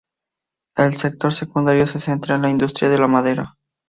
El sector secundario se centra en la industria de la madera.